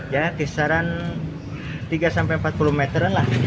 ya kisaran tiga sampai empat puluh meteran lah